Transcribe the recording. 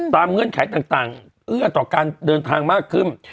เงื่อนไขต่างเอื้อต่อการเดินทางมากขึ้น